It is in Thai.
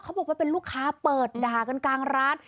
บอกว่าเป็นลูกค้าเปิดด่ากันกลางร้าน